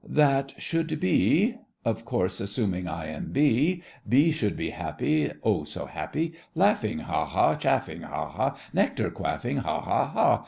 That should be (Of course, assuming I am B). B should be happy! Oh, so happy! Laughing, Ha! ha! Chaffing, Ha! ha! Nectar quaffing, Ha! ha! ha!